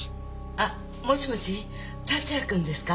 あっもしもし達也君ですか？